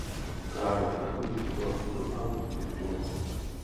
Právě v takových situacích dochází k diskriminaci.